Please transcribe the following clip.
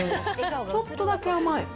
ちょっとだけ甘い。